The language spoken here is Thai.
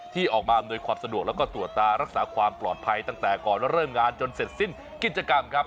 ที่ออกมาอำนวยความสะดวกแล้วก็ตรวจตารักษาความปลอดภัยตั้งแต่ก่อนเริ่มงานจนเสร็จสิ้นกิจกรรมครับ